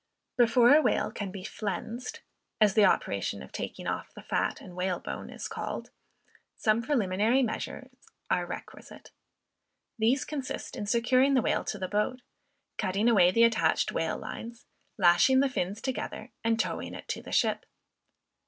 Before a whale can be flensed, as the operation of taking off the fat and whalebone is called, some preliminary measures are requisite. These consist in securing the whale to the boat, cutting away the attached whale lines, lashing the fins together, and towing it to the ship.